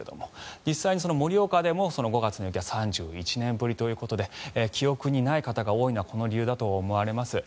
実際に盛岡でも５月の雪は３１年ぶりということで記憶にない方が多いのはこの理由だと思われます。